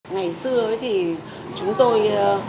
ngày xưa thì chúng tôi